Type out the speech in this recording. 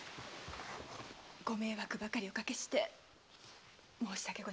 ご迷惑ばかりおかけして申し訳ございません。